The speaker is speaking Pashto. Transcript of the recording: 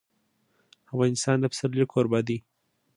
افغانستان د پسرلی کوربه دی.